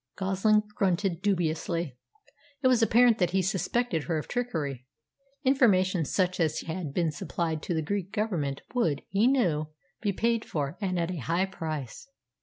Goslin grunted dubiously. It was apparent that he suspected her of trickery. Information such as had been supplied to the Greek Government would, he knew, be paid for, and at a high price.